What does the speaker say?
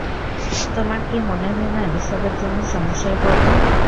তোমার কি মনে হয় না এসবের জন্য সমস্যায় পড়ব?